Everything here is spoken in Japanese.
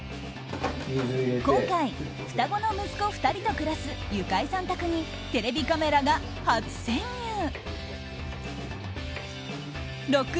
今回、双子の息子２人と暮らすユカイさん宅にテレビカメラが初潜入。